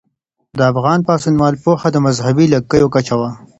د افغان پاڅونوالو پوهه د مذهبي لږکیو کچه وه.